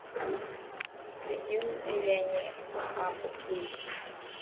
Vijusi vyenye maambukizi hukaa kwenye nyasi maji na vyakula vingine